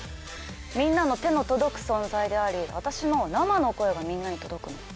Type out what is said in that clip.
みんなの手の届く存在であり私の生の声がみんなに届くの。